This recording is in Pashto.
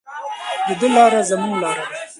د ده لاره زموږ لاره ده.